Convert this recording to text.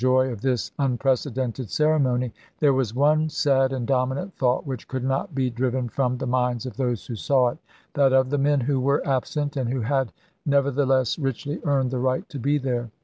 joy of this unprecedented ceremony there was one May, lses sad and dominant thought which could not be driven from the minds of those who saw it — that of the men who were absent, and who had, never theless, richly earned the right to be there.